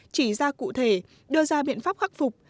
chỉ ra cụ thể đưa ra biện pháp khắc phục